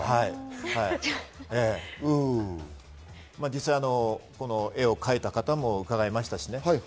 実際、この絵を描いた方も伺いましたしね。